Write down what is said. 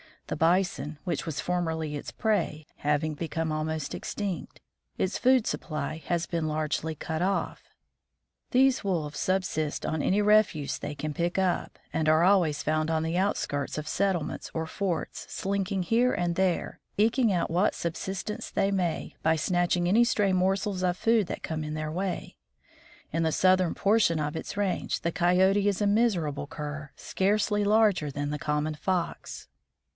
The Bison, which was formerly its prey, having become almost extinct, its food supply has been largely cut off. These Wolves subsist on any refuse they can pick up, and are always found on the outskirts of settlements or forts, slinking here and there, eking out what subsistence they may by snatching any stray morsels of food that come in their way. In the southern portion of its range, the Coyote is a miserable cur, scarcely larger than the common Fox.